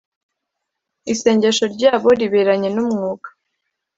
isengesho ryabo riberanye n’umwuga